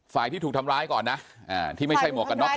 ที่ถูกทำร้ายก่อนนะที่ไม่ใช่หมวกกันน็อก